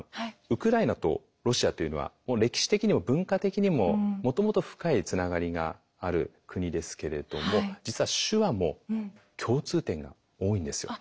ウクライナとロシアというのは歴史的にも文化的にももともと深いつながりがある国ですけれども実は手話も共通点が多いんですよ。